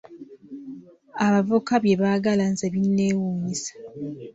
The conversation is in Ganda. Abavubuka bye baagala nze binneewuunyisa.